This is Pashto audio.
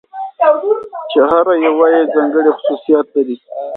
چې هره يوه يې ځانګړى خصوصيات لري .